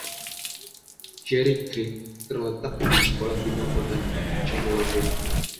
Cherry Creek terletak di sebelah timur kota Charlotte.